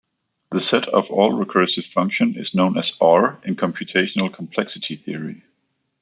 The set of all recursive functions is known as R in computational complexity theory.